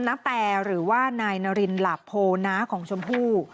นับแต่หรือว่านายนรินหลับโพนะของชมพู่